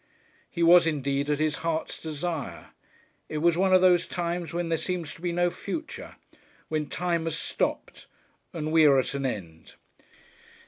He was indeed at his Heart's Desire. It was one of those times when there seems to be no future, when Time has stopped and we are at an end.